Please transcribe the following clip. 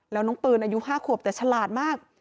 แล้วน้องปืนอายุ๕ขวบแต่ฉลาดมาก